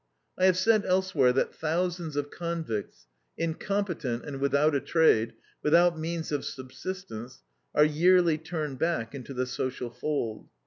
I have said elsewhere that thousands of convicts, incompetent and without a trade, without means of subsistence, are yearly turned back into the social fold.